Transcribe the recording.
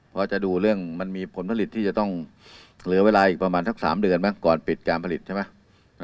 เพราะจะดูเรื่องมันมีผลผลิตที่จะต้องเหลือเวลาอีกประมาณสัก๓เดือนมั้งก่อนปิดการผลิตใช่ไหม